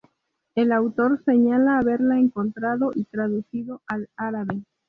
El autor señala haberla encontrado y traducido al árabe.